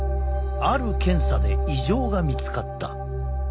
ある検査で異常が見つかった。